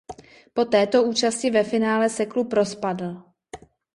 Po této účasti ve finále se klub rozpadl.